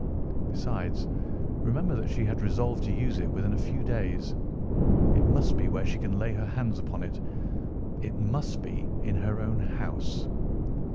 Besides, remember that she had resolved to use it within a few days. It must be where she can lay her hands upon it. It must be in her own house."